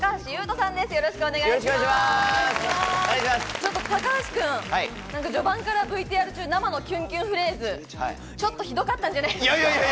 ちょっと高橋君、序盤からＶＴＲ中、生のキュンキュンフレーズ、ちょっとひどかったんじゃない？